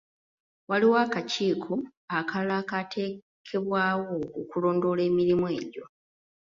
Waliwo akakiiko akalala ateekebwawo okulondoola emirimu egyo.